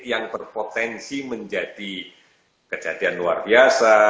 yang berpotensi menjadi kejadian luar biasa